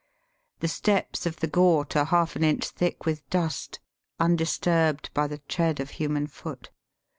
The steps of the ghat are half an inch thick with dust, undisturbed by the tread of human foot.